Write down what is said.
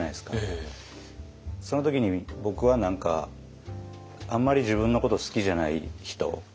その時に僕は何かあんまり自分のこと好きじゃない人。